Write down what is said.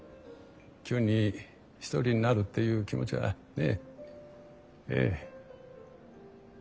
急に１人になるっていう気持ちはねえええ。